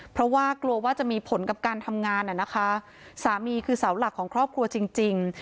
เพราะว่ากลัวว่าจะมีผลกับการทำงานอ่ะนะคะสามีคือเสาหลักของครอบครัวจริงจริง